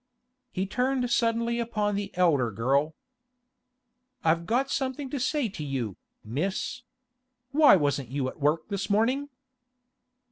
He turned suddenly upon the elder girl. 'I've got something to say to you, Miss. Why wasn't you at work this morning?